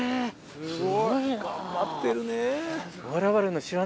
すごいな。頑張ってるね。